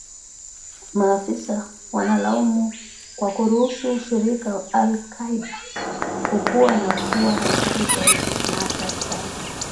maafisa wanalaumu kwa kuruhusu ushirika wa al Qaida kukua na kuwa na nguvu zaidi na hatari sana